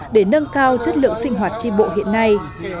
để nâng cao chất lượng sinh hoạt tri bộ hiện nay